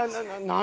何？